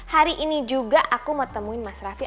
hari ini juga aku mau temuin mas raffi